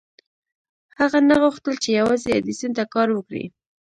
هغه نه غوښتل چې يوازې ايډېسن ته کار وکړي.